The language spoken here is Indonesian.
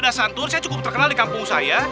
dasantur saya cukup terkenal di kampung saya